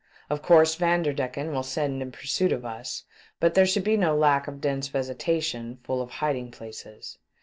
" Of course, Vander decken will send in pursuit of us, but there should be no lack of dense vegetation full of hiding places.